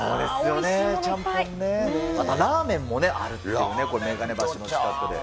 またラーメンもあるっていうね、この眼鏡橋の近くで。